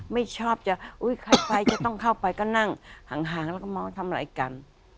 ไม่ชอบจะอุ้ยใครไปจะต้องเข้าไปก็นั่งห่างแล้วก็เมาทำอะไรกัน